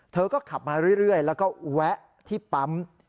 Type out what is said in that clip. เธอก็ขับมาเรื่อยแล้วก็แวะที่ปั๊ม